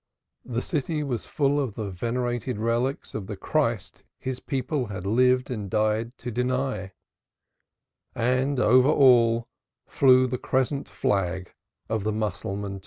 The city was full of venerated relics of the Christ his people had lived and died to deny, and over all flew the crescent flag of the Mussulman.